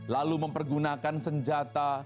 lalu mempergunakan senjata